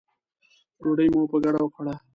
ډوډۍ مو په ګډه وخوړه.